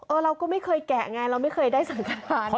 เราก็ไม่เคยแกะไงเราไม่เคยได้สังขาร